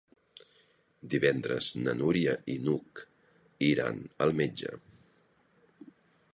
Divendres na Núria i n'Hug iran al metge.